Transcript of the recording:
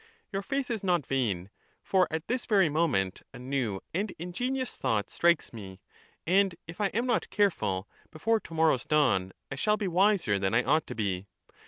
Your faith is not vain ; for at this very momeiit a new and ingenious thought strikes me, and, if I am not careful, before to morrow's dawn I shall be wiser than I ought to be.